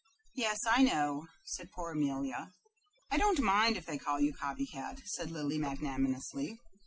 "Yes, I know," said poor Amelia. "I don't mind if they do call you 'Copy Cat,'" said Lily, magnanimously.